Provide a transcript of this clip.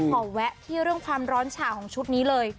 แวะที่เรื่องความร้อนฉ่าของชุดนี้เลย